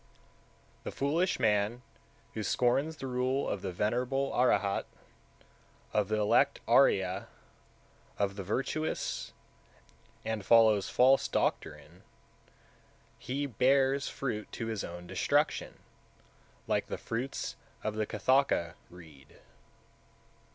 164. The foolish man who scorns the rule of the venerable (Arahat), of the elect (Ariya), of the virtuous, and follows false doctrine, he bears fruit to his own destruction, like the fruits of the Katthaka reed.